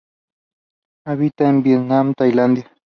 Habita en Vietnam Tailandia.